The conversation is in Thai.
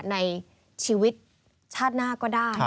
ในชีวิตชาติหน้าก็ได้